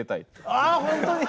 あ本当に？